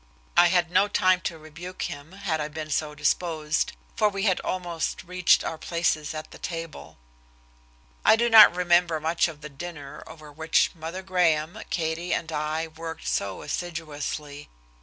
I had no time to rebuke him, had I been so disposed, for we had almost reached our places at the table. I do not remember much of the dinner over which Mother Graham, Katie and I had worked so assiduously.